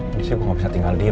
ini sih gue gak bisa tinggal diem